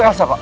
itu elsa pak